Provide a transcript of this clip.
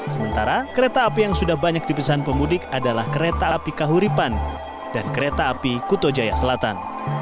sementara kereta api yang sudah banyak dipesan pemudik adalah kereta api kahuripan dan kereta api kuto jaya selatan